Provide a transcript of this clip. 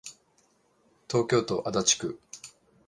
東京都足立区